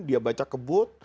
dia baca kebut